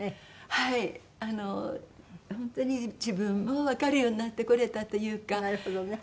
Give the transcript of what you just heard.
本当に自分もわかるようになってこれたというか。